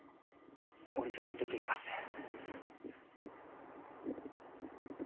俺ちょっと出て来ます。